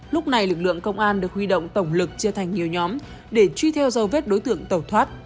lúc này lực lượng công an được huy động tổng lực chia thành nhiều nhóm để truy theo dấu vết đối tượng tẩu thoát